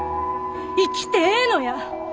生きてええのや。